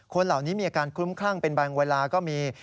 เหล่านี้มีอาการคลุ้มคลั่งเป็นบางเวลาก็มี